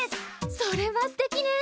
それはすてきね！